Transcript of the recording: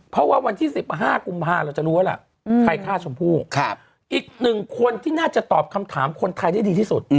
เพราะว่าวันที่๑๕กุมภาเราจะรู้ว่าล่ะใครฆ่าชมพู่อีกหนึ่งคนที่น่าจะตอบคำถามคนไทยได้ดีที่สุด